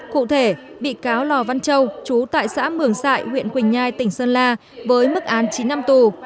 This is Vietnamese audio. cụ thể bị cáo lò văn châu chú tại xã mường sại huyện quỳnh nhai tỉnh sơn la với mức án chín năm tù